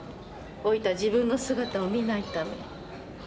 老いた自分の姿を見ないため。